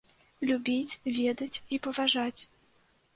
Любіць, ведаць і паважаць.